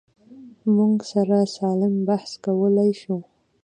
موږ سره سالم بحث کولی شو.